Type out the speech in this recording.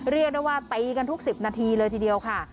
เรียกได้ว่าตีกันทุก๑๐นาทีเลยทีเดียวค่ะ